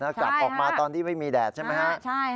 แล้วกลับออกมาตอนที่ไม่มีแดดใช่ไหมฮะ